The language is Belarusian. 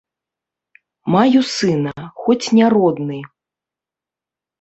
Маю сына, хоць не родны.